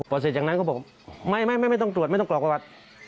พอเสร็จจากนั้นก็บอกไม่ต้องตรวจไม่ต้องกรอกประวัติ